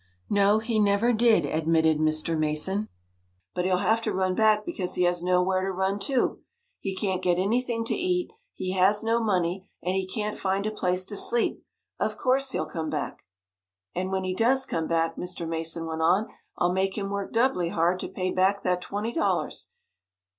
"No, he never did," admitted Mr. Mason, "but he'll have to run back because he has nowhere to run to. He can't get anything to eat, he has no money, and he can't find a place to sleep. Of course he'll come back! "And when he does come back," Mr. Mason went on, "I'll make him work doubly hard to pay back that twenty dollars.